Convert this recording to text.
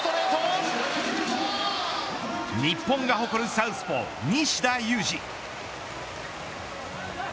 日本が誇るサウスポー西田有志。